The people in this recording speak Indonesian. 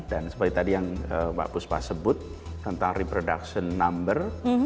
dan seperti tadi yang mbak busbah sebut tentang reproduction number